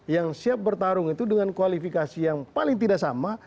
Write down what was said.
yang siap bertarung itu dengan kualifikasi yang paling tidak sama